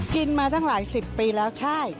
กินมาจังหลายสิบปีแล้วใช่